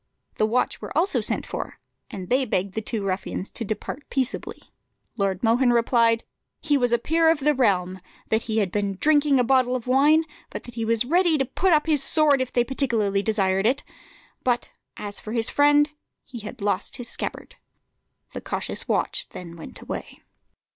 The watch were also sent for, and they begged the two ruffians to depart peaceably. Lord Mohun replied, "He was a peer of the realm, that he had been drinking a bottle of wine, but that he was ready to put up his sword if they particularly desired it: but as for his friend, he had lost his scabbard." The cautious watch then went away.